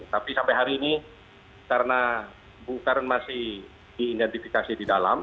tapi sampai hari ini karena bung karen masih diidentifikasi di dalam